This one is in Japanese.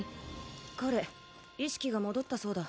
彼意識が戻ったそうだ